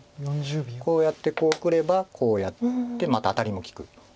こうやってこうくればこうやってまたアタリも利く。